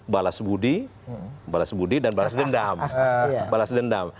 balas budi dan balas dendam